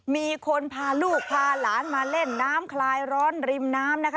มีคนพาลูกพาหลานมาเล่นน้ำคลายร้อนริมน้ำนะคะ